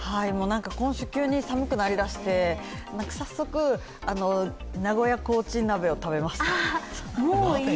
今週、急に寒くなりだして、早速、名古屋コーチン鍋を食べました。